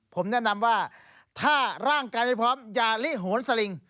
ผมแนะนำว่าถ้าร่างกายไม่พร้อมอย่าลิโหนสลิง